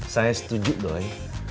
saya setuju doi